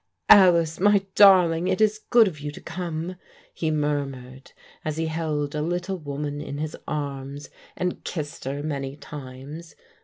"Alice, my darling, it is good of you to come," he mur mured as he held a little woman in his arms, and kissed her many times.